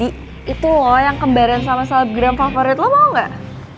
itu lo yang kembarin sama salib gram favorit lo mau gak